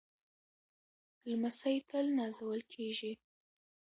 لمسی تل نازول کېږي.